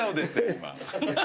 今。